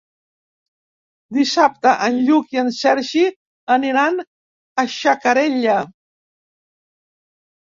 Dissabte en Lluc i en Sergi aniran a Xacarella.